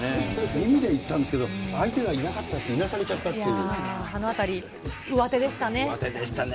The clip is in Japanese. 耳でいったんですけど、相手がいなかったって、いなされあのあたり、上手でしたね。